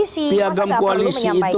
yang sudah tanda tangan piagam koalisi